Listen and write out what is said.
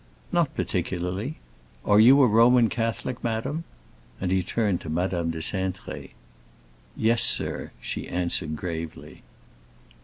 "Not particularly. Are you a Roman Catholic, madam?" And he turned to Madame de Cintré. "Yes, sir," she answered, gravely.